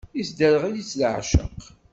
Isderɣel-itt leεceq.